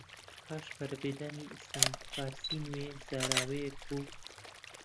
پاش پەرەپێدانی ئیسلام، فارسی نوێ زاراوەیەک بوو